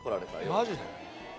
マジで？